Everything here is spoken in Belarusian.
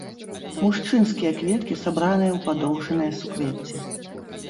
Мужчынскія кветкі сабраныя ў падоўжаныя суквецці.